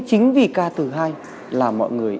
chính vì ca từ hay là mọi người